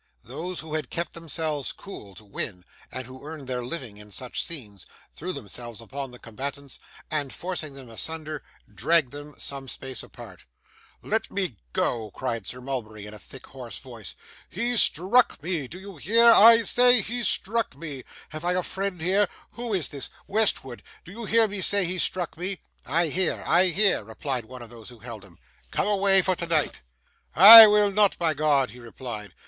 Those who had kept themselves cool, to win, and who earned their living in such scenes, threw themselves upon the combatants, and, forcing them asunder, dragged them some space apart. 'Let me go!' cried Sir Mulberry, in a thick hoarse voice; 'he struck me! Do you hear? I say, he struck me. Have I a friend here? Who is this? Westwood. Do you hear me say he struck me?' 'I hear, I hear,' replied one of those who held him. 'Come away for tonight!' 'I will not, by G ,' he replied.